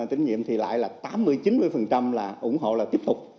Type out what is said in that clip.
tín nhiệm thì lại là tám mươi chín mươi là ủng hộ là tiếp tục